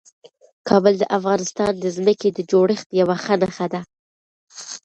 کابل د افغانستان د ځمکې د جوړښت یوه ښه نښه ده.